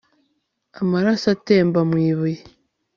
Amaraso atemba mu ibuye